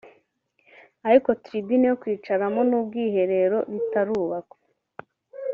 ariko tribune yo kwicaramo n’ubwiherero bitarubakwa